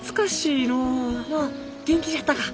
う元気じゃったか？